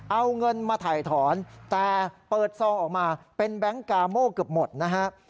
เอาเงินมาถ่ายถอนแต่เปิดซองออกมาเป็นแบงค์กาโม่เกือบหมดนะฮะ